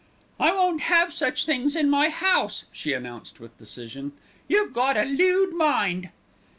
"I won't have such things in my house," she announced with decision. "You've got a lewd mind."